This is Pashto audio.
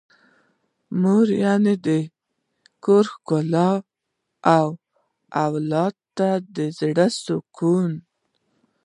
مور يعنې د کور ښکلا او اولاد ته د زړه سکون.